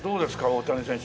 大谷選手。